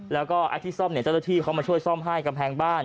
แล้วก็ไอ้ที่ซ่อมเนี่ยเจ้าหน้าที่เขามาช่วยซ่อมให้กำแพงบ้าน